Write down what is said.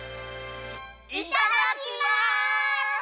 いただきます！